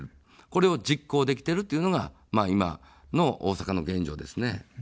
これを実行できているというのが今の大阪の現状ですね。